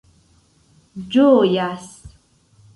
ĝojas